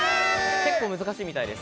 結構難しいみたいです。